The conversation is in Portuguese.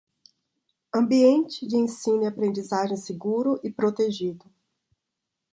Ambiente de ensino e aprendizagem seguro e protegido